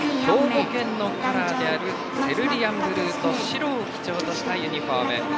兵庫県のカラーであるセルリアンブルーと白を基調としたユニフォーム。